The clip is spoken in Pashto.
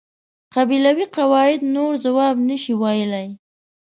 قبیلوي قواعد نور ځواب نشوای ویلای.